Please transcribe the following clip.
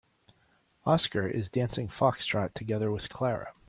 Oscar is dancing foxtrot together with Clara.